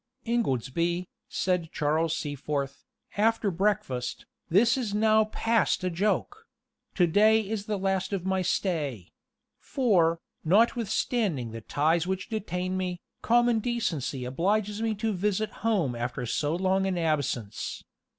"Ingoldsby," said Charles Seaforth, after breakfast, "this is now past a joke; to day is the last of my stay; for, notwithstanding the ties which detain me, common decency obliges me to visit home after so long an absence.